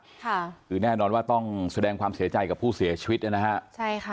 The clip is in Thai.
ค่ะคือแน่นอนว่าต้องแสดงความเสียใจกับผู้เสียชีวิตเนี่ยนะฮะใช่ค่ะ